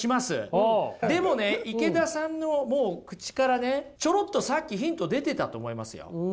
でもね池田さんのもう口からねちょろっとさっきヒント出てたと思いますよ。